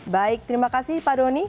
baik terima kasih pak doni